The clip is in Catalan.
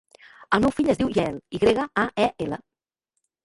El meu fill es diu Yael: i grega, a, e, ela.